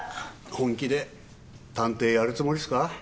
本気で探偵やるつもりっすか？